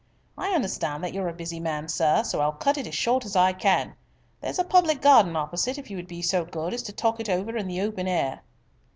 "I understand that you are a busy man, sir, so I'll cut it as short as I can. There's a public garden opposite if you would be so good as talk it over in the open air."